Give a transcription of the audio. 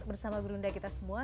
bersama berundah kita semua